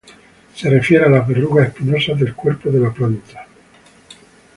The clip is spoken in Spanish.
Se refiere a las verrugas espinosas del cuerpo de la planta.